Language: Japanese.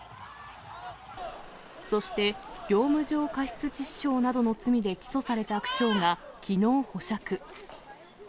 そして、業務上過失致死傷などの罪で起訴された区長が、きのう保釈。